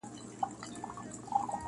او کمزوری او مات ښکاري-